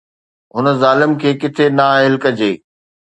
هن ظالم کي ڪٿي نااهل ڪجي؟